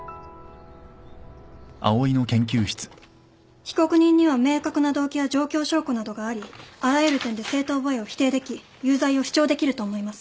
被告人には明確な動機や状況証拠などがありあらゆる点で正当防衛を否定でき有罪を主張できると思います。